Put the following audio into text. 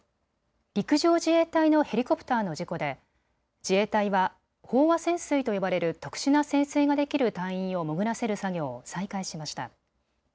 陸上自衛隊のヘリコプターの事故で自衛隊は飽和潜水と呼ばれる特殊な潜水ができる隊員を潜らせる作業を再開しました。